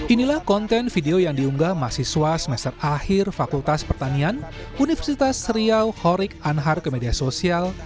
inilah konten video yang diunggah mahasiswa semester akhir fakultas pertanian universitas riau khorik anhar ke media sosial